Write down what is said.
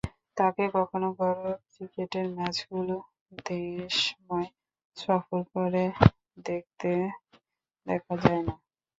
তাঁকে কখনো ঘরোয়া ক্রিকেটের ম্যাচগুলো দেশময় সফর করে দেখতে দেখা যায় না।